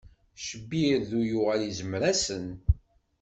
Cbirdu yuɣal izmer-asen.